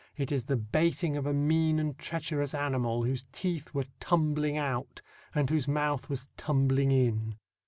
It is the baiting of a mean and treacherous animal, whose teeth were "tumbling out," and whose mouth was "tumbling in."